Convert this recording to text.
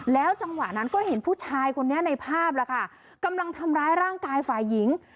จังหวะนั้นก็เห็นผู้ชายคนนี้ในภาพล่ะค่ะกำลังทำร้ายร่างกายฝ่ายหญิง